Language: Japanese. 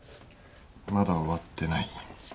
まだ終わってない。